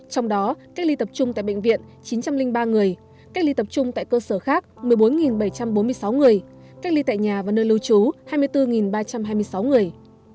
trong đó cách ly tập trung tại bệnh viện chín trăm linh ba người cách ly tập trung tại cơ sở khác một mươi bốn bảy trăm bốn mươi sáu người cách ly tại nhà và nơi lưu trú hai mươi bốn ba trăm hai mươi sáu người